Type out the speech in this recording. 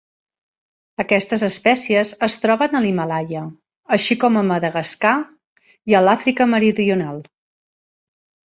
Aquestes espècies es troben a l'Himàlaia, així com a Madagascar i a l'Àfrica meridional.